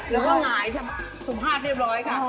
แล้วก็หายสุภาพเรียบร้อยค่ะ